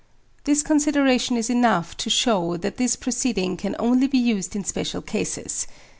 This consideration is enough to shew that this proceeding can only be used in special cases.